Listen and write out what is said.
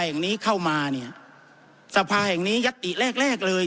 อย่างนี้เข้ามาเนี่ยสภาแห่งนี้ยัตติแรกแรกเลย